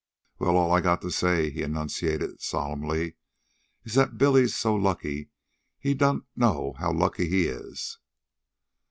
"Well, all I got to say," he enunciated solemnly, "is that Billy's so lucky he don't know how lucky he is."